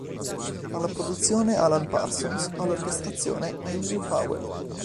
Alla produzione Alan Parsons, all'orchestrazione Andrew Powell.